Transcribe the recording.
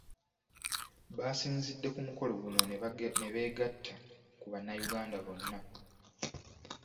Baasinzidde ku mukolo guno ne beegatta ku Bannayuganda bonna .